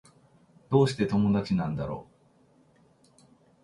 どうして友達なんだろう